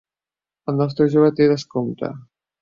El nostre jove té descompte.